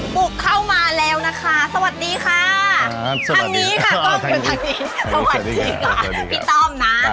บุกเข้ามาแล้วนะคะสวัสดีค่ะทางนี้ค่ะกล้องอยู่ทางนี้สวัสดีค่ะพี่ต้อมนะ